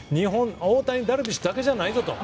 大谷、ダルビッシュだけじゃないぞと。